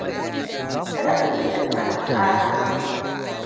Talabijin din tana kara.